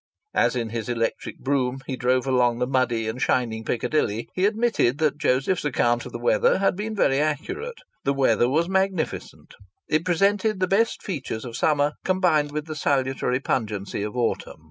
As in his electric brougham he drove along muddy and shining Piccadilly, he admitted that Joseph's account of the weather had been very accurate. The weather was magnificent; it presented the best features of summer combined with the salutary pungency of autumn.